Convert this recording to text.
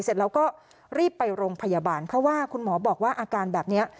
เสร็จแล้วก็รีบไปโรงพยาบาลเพราะว่าคุณหมอบอกว่าอาการแบบนี้